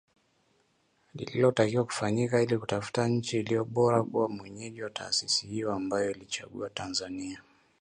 lililotakiwa kufanyika ili kutafuta nchi iliyo bora kuwa mwenyeji wa taasisi hiyo, ambayo iliichagua Tanzania